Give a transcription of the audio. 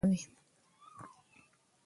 د ماشوم تعلیم ټولنیز نابرابري کموي.